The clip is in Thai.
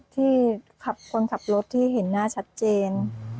ที่คนขับรถที่เห็นหน้าชัดเจน